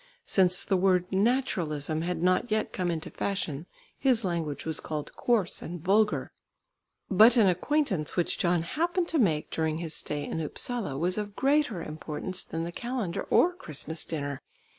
Since the word Naturalism had not yet come into fashion, his language was called coarse and vulgar. But an acquaintance which John happened to make during his stay in Upsala was of greater importance than the Calendar or Christmas dinner.